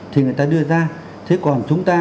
thì người ta đưa ra thế còn chúng ta